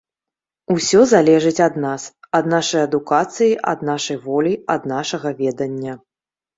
Усё залежыць ад нас, ад нашай адукацыі, ад нашай волі, ад нашага ведання.